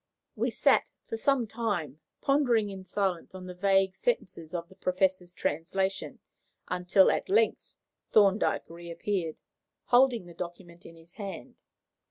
We sat for some time pondering in silence on the vague sentences of the Professor's translation, until, at length, Thorndyke reappeared, holding the document in his hand.